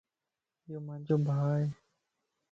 يوما نجو ڀَا ائي